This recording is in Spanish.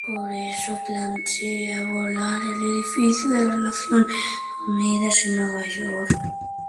Por eso planea volar el edificio de las Naciones Unidas en Nueva York.